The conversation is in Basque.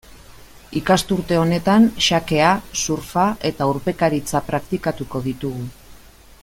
Ikasturte honetan xakea, surfa eta urpekaritza praktikatuko ditugu.